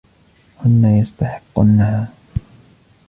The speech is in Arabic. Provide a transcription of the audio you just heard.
هن يستحقنها.